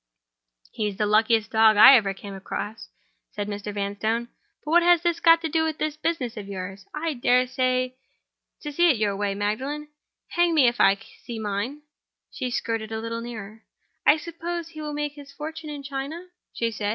"He's the luckiest dog I ever came across," said Mr. Vanstone "But what has that got to do with this business of yours? I dare say you see your way, Magdalen. Hang me if I can see mine!" She skirted a little nearer. "I suppose he will make his fortune in China?" she said.